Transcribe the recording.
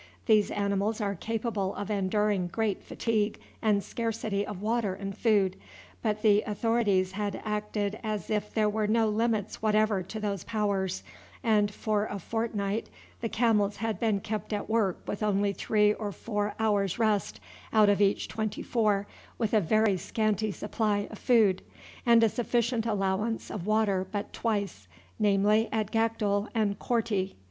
These animals are capable of enduring great fatigue and scarcity of water and food, but the authorities had acted as if there were no limits whatever to those powers, and for a fortnight the camels had been kept at work with only three or four hours' rest out of each twenty four, with a very scanty supply of food, and a sufficient allowance of water but twice, namely, at Gakdul and Korti.